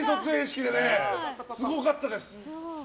すごかったです。